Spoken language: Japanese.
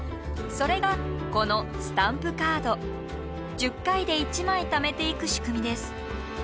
１０回で１枚ためていく仕組みです。